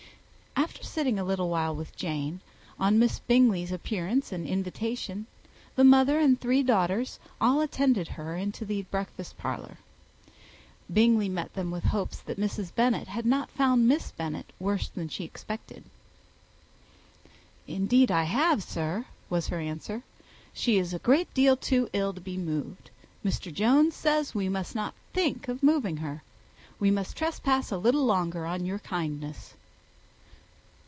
After sitting a little while with Jane, on Miss Bingley's appearance and invitation, the mother and three daughters all attended her into the breakfast parlour. Bingley met them with hopes that Mrs. Bennet had not found Miss Bennet worse than she expected. "Indeed I have, sir," was her answer. "She is a great deal too ill to be moved. Mr. Jones says we must not think of moving her. We must trespass a little longer on your kindness."